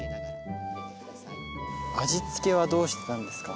味付けはどうしてたんですか？